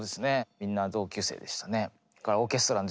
みんな同級生でしたね。